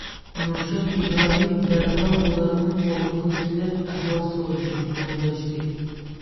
نۇرشات ئىبراھىم دەرھال ئۇلارنىڭ ئالدىغا كېلىپ ئەھۋال سورىدى، مۇڭداشتى.